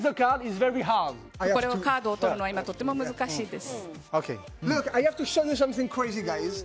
このカードを取るのはとても難しいです。